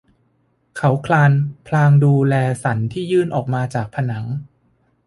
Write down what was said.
เขาคลานพลางดูแลสันที่ยื่นออกมาจากผนัง